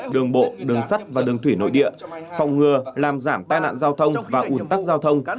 đường bộ đường sắt và đường thủy nội địa phòng ngừa làm giảm tai nạn giao thông và ủn tắc giao thông